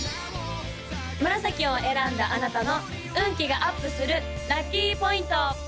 紫を選んだあなたの運気がアップするラッキーポイント！